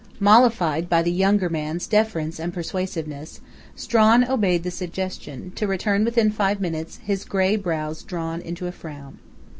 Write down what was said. Mollified by the younger man's deference and persuasiveness, Strawn obeyed the suggestion, to return within five minutes, his grey brows drawn into a frown.